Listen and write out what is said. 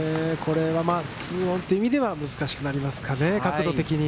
２オンという意味では難しくなりますかね、角度的に。